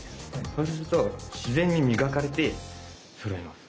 そうすると自然に磨かれてそろいます。